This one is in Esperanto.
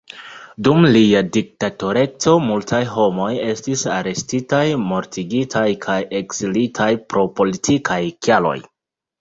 Dum lia diktatoreco, multaj homoj estis arestitaj, mortigitaj kaj ekzilitaj pro politikaj kialoj.